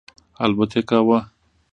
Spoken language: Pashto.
الوت یې کاوه.